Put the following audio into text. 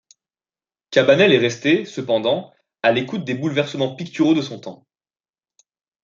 Cabanel est resté, cependant, à l'écoute des bouleversements picturaux de son temps.